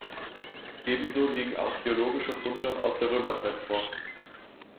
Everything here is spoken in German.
Ebenso liegen archäologische Funde aus der Römerzeit vor.